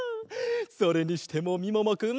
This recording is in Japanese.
それにしてもみももくん